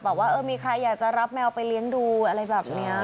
บอกว่าเออมีใครอยากจะรับแมวไปเลี้ยงดูอะไรแบบนี้